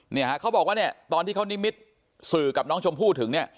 เนี่ยฮะเขาบอกว่าเนี่ยตอนที่เขานิมิตสื่อกับน้องชมพู่ถึงเนี่ย